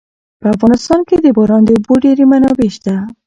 په افغانستان کې د باران د اوبو ډېرې منابع شته.